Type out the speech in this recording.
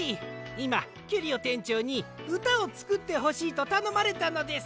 いまキュリオてんちょうにうたをつくってほしいとたのまれたのです。